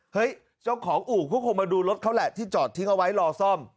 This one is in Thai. เจ้าของอู่ก็คงมาดูรถเขาแหละที่จอดทิ้งเอาไว้รอซ่อม